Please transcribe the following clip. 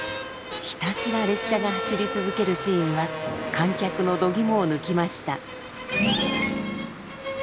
ひたすら列車が走り続けるシーンは観客のどぎもを抜きました。